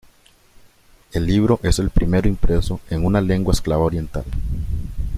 El libro es el primero impreso en una lengua eslava oriental.